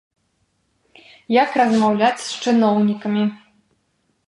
Як размаўляць з чыноўнікамі.